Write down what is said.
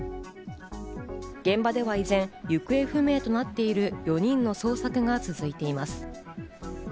現場では依然、行方不明となっている４人の捜索が続いています。